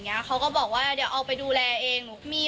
วันนั้นได้เจอกับบิวด้วยไหมคะ